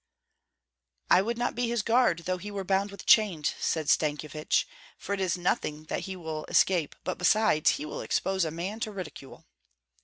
"I would not be his guard, though he were bound with chains," said Stankyevich; "for it is nothing that he will escape, but besides, he will expose a man to ridicule."